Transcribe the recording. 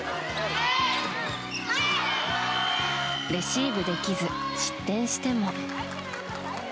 レシーブできず失点しても。